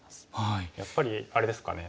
やっぱりあれですかね